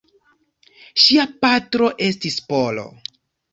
Ŝia patro estis Polo.